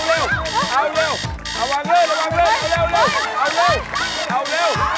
เอาเร็ว